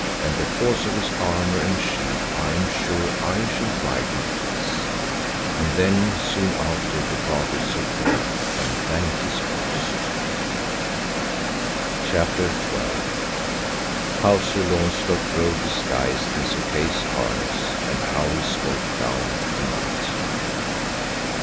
And because of his armour and shield I am sure I shall ride in peace. And then soon after departed Sir Kay and thanked his host. CHAPTER XII. How Sir Launcelot rode disguised in Sir Kay's harness, and how he smote down a knight.